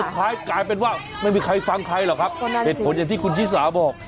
คล้ายกลายเป็นว่าไม่มีใครฟังใครหรอกครับเหตุผลอย่างที่คุณชิสาบอก